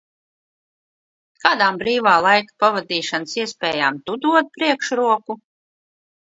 Kādām brīvā laika pavadīšanas iespējām Tu dod priekšroku?